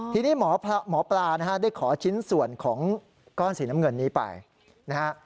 ทีนี้หมอปลานะฮะได้ขอชิ้นส่วนของก้อนสีน้ำเงินนี้ไปนะฮะ